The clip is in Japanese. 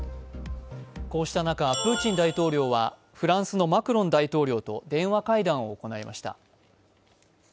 こうした中、プーチン大統領はフランスのマクロン大統領と電話会談を行いました。